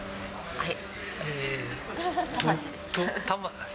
はい。